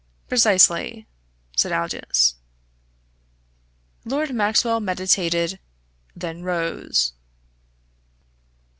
"Precisely," said Aldous. Lord Maxwell meditated; then rose.